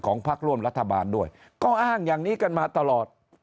พักร่วมรัฐบาลด้วยก็อ้างอย่างนี้กันมาตลอด